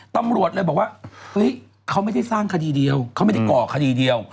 ตำรวจเลยบอกว่าเฮ้ยเขาไม่ได้สร้างคดีเดียวเขาไม่ได้ก่อคดีเดียว